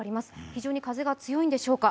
非常に風が強いんでしょうか。